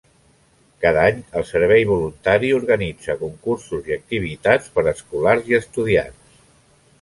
Cada any el Servei Voluntari organitza concursos i activitats per escolars i estudiants.